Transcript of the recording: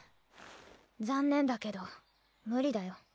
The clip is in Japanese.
残念だけど無理だよ。